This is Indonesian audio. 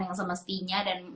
yang semestinya dan